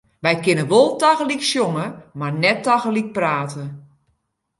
Wy kinne wol tagelyk sjonge, mar net tagelyk prate.